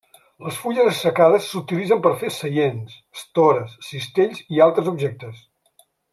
Les fulles assecades s'utilitzen per fer seients, estores, cistells i altres objectes.